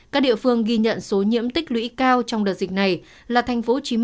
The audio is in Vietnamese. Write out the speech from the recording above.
các địa phương ghi nhận số nhiễm tích lũy cao trong đợt dịch này là tp hcm